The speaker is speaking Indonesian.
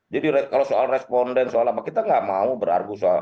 jadi kalau soal responden soal apa kita nggak mau berargu soal